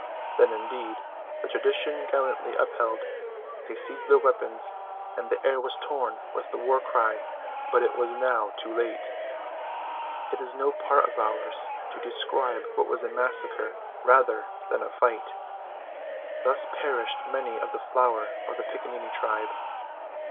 Then, indeed, the tradition gallantly upheld, they seized their weapons, and the air was torn with the war cry; but it was now too late. It is no part of ours to describe what was a massacre rather than a fight. Thus perished many of the flower of the Piccaninny tribe.